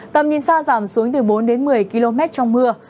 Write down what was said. tầm nhìn xa giảm xuống từ bốn đến một mươi km trong mưa